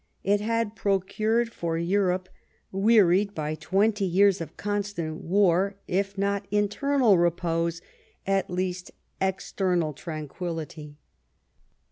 It had procured for Europe, wearied by twenty years of constant war, if not internal repose, at least external tranquillity.